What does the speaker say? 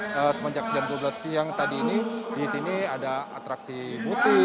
semenjak jam dua belas siang tadi ini di sini ada atraksi musik